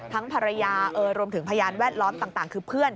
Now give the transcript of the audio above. ภรรยารวมถึงพยานแวดล้อมต่างคือเพื่อน